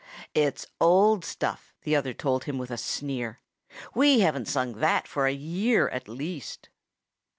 "It's old stuff," the other told him with a sneer. "We haven't sung that for a year, at least."